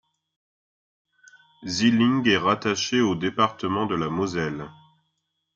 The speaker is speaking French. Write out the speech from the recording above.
Zilling est rattaché au département de la Moselle.